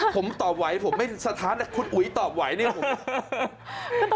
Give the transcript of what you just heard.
ผมตอบไหวผมไม่สะท้านคุณอุ๋ยตอบไหวเนี่ยผม